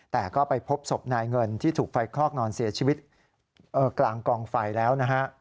แต่ก็ไปพบศพนายเงินที่ถูกไฟคลอกนอนเสียชีวิตกลางกองไฟแล้วนะฮะ